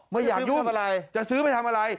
ไม่อยากยุ่งอะไรจะซื้อไปทำอะไร